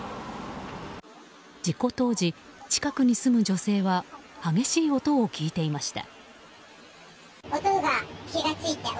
事故当時、近くに住む女性は激しい音を聞いていました。